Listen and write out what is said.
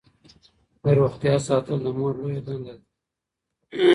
د روغتیا ساتل د مور لویه دنده ده.